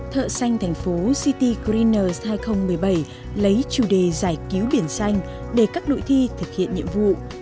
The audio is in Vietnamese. thợ xanh thành phố city greener hai nghìn một mươi bảy lấy chủ đề giải cứu biển xanh để các đội thi thực hiện nhiệm vụ